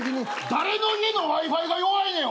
誰の家のＷｉ−Ｆｉが弱いねん！